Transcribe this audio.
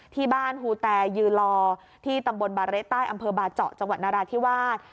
ฮูแตยือลอที่ตำบลบาเละใต้อำเภอบาเจาะจังหวัดนราธิวาส